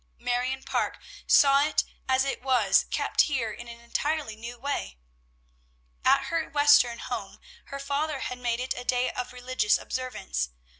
Marion Parke saw it as it was kept here in an entirely new way. At her Western home, her father had made it a day of religious observance.